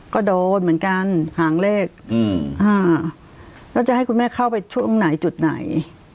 ก็โดนเหมือนกันหางเลขแล้วจะให้คุณแม่เข้าไปช่วงไหนจุดไหน